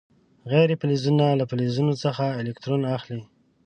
غیر فلزونه له فلزونو څخه الکترون اخلي.